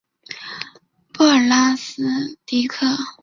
布尔拉斯蒂克。